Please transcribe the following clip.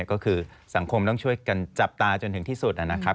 ก็คือสังคมต้องช่วยกันจับตาจนถึงที่สุดนะครับ